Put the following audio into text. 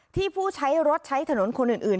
ผู้ใช้รถใช้ถนนคนอื่น